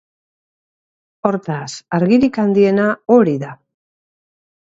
Hortaz, argirik handiena hori da.